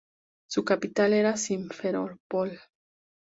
Su capital era Simferópol.